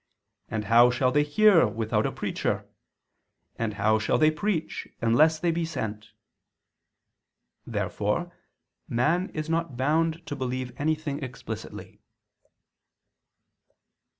And how shall they hear without a preacher? And how shall they preach unless they be sent?" Therefore man is not bound to believe anything explicitly.